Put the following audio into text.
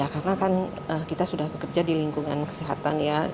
karena kan kita sudah bekerja di lingkungan kesehatan ya